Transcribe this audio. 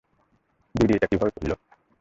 দিদি, এটা কিভাবে পড়লো?